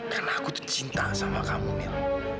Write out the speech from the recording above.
karena aku tercinta sama kamu mil